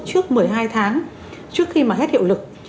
trước một mươi hai tháng trước khi mà hết hiệu lực